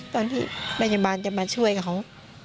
ตอนที่พยาบาลจะมาช่วยกับเขา